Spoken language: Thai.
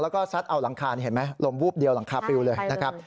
แล้วก็ซัดเอาหลังคานี่เห็นไหมลมวูบเดียวหลังคาปริวเลยนะครับ